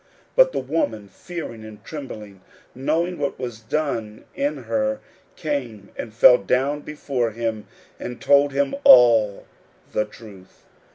41:005:033 But the woman fearing and trembling, knowing what was done in her, came and fell down before him, and told him all the truth.